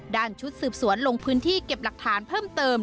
ชุดสืบสวนลงพื้นที่เก็บหลักฐานเพิ่มเติม